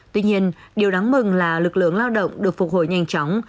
tuy nhiên điều đáng mừng là lực lượng lao động được phục hồi nhanh chóng